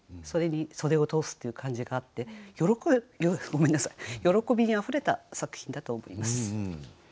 それに袖を通すっていう感じがあって喜びにあふれた作品だと思います。